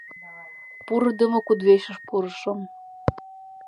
Пурыдымо кудывечыш пурышым